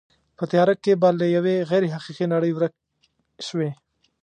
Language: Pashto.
په تیاره کې به له یوې غیر حقیقي نړۍ ورک شوې.